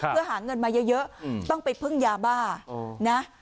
เพื่อหาเงินมาเยอะต้องไปพึ่งยาบ้านะ